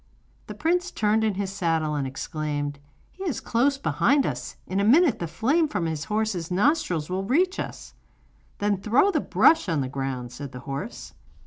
The prince turned in his saddle, and exclaimed: 'He is close behind us, in a minute the flame from his horse's nostrils will reach us.' 'Then throw the brush on the ground,' said the horse.